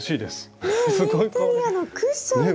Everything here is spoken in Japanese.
ねえインテリアのクッションに。